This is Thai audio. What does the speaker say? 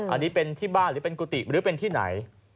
อันนี้เป็นที่บ้านหรือเป็นกุฏิหรือเป็นที่ไหน